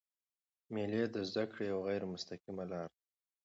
مېلې د زدهکړي یوه غیري مستقیمه لاره ده.